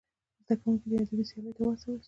زدهکوونکي دې ادبي سیالیو ته وهڅول سي.